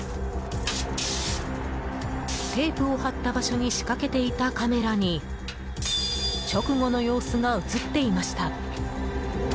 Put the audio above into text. テープを貼った場所に仕掛けていたカメラに直後の様子が映っていました。